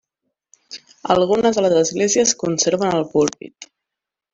Algunes de les esglésies conserven el púlpit.